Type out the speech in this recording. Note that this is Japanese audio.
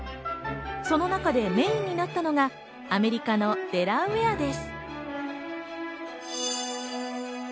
その中でメインになったのがアメリカのデラウェアです。